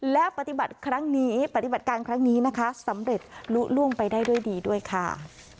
และปฏิบัติครั้งนี้ปฏิบัติการครั้งนี้นะคะสำเร็จลุล่วงไปได้ด้วยดีด้วยค่ะ